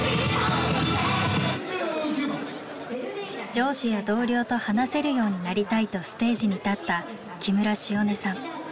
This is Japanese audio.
上司や同僚と話せるようになりたいとステージに立った木村汐音さん。